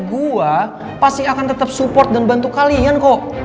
gue pasti akan tetap support dan bantu kalian kok